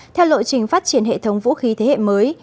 theo lộ trình phát triển hệ thống vũ khí thế hệ mới